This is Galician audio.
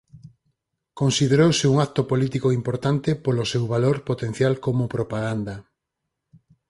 Considerouse un acto político importante polo seu valor potencial como propaganda.